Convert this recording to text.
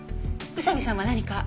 宇佐見さんは何か？